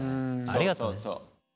ありがとうね。